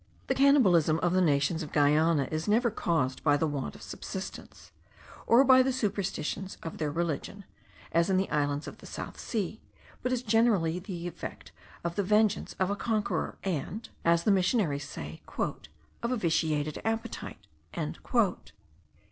The cannibalism of the nations of Guiana is never caused by the want of subsistence, or by the superstitions of their religion, as in the islands of the South Sea; but is generally the effect of the vengeance of a conqueror, and (as the missionaries say) "of a vitiated appetite."